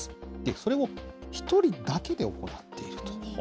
それを１人だけで行っていると。